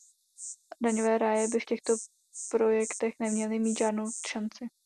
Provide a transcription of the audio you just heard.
Daňové ráje by v těchto projektech neměly mít žádnou šanci.